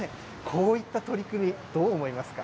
こういった取り組み、どう思いますか？